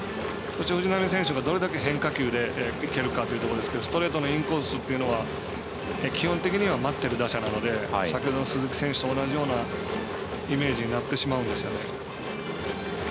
藤浪選手がどれだけ変化球でいけるかというところですけどストレートのインコースというのは基本的には待ってる打者なので先ほどの鈴木選手と同じようなイメージになってしまうんですね。